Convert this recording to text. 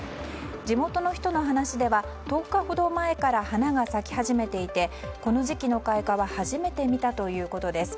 地元の人の話では１０日ほど前から花が咲き始めていてこの時期の開花は初めて見たということです。